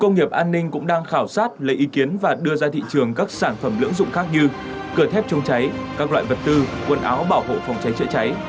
công nghiệp an ninh cũng đang khảo sát lấy ý kiến và đưa ra thị trường các sản phẩm lưỡng dụng khác như cửa thép chống cháy các loại vật tư quần áo bảo hộ phòng cháy chữa cháy